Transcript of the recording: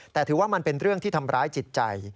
แต่ถือว่ามันเป็นเรื่องที่ทำร้ายจิตใจ